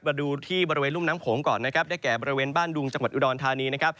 มาดูที่บริเวณรุ่มน้ำโขงก่อนนะครับได้แก่บริเวณบ้านดุงจังหวัดอุดรธานีนะครับ